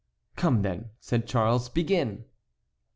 "Come, then," said Charles, "begin."